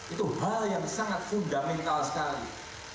itu hal yang sangat fundamental sekali